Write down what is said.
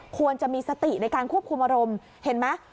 ควรจะมีสติในการควบคุมอารมณ์เห็นไหม